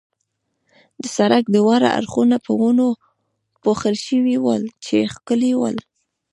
د سړک دواړه اړخونه په ونو پوښل شوي ول، چې ښکلي ول.